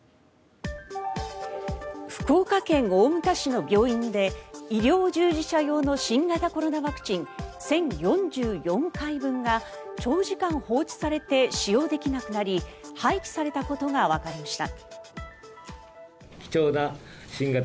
福岡県大牟田市の病院で医療従事者用の新型コロナウイルスワクチン１０４４回分が長時間放置されて使用できなくなり廃棄されたことがわかりました。